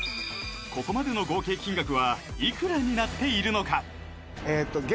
ここまでのいくらになっているのか？